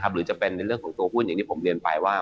หรือจะเป็นในเรื่องของตัวหุ้นอย่างที่ผมเรียนไปว่า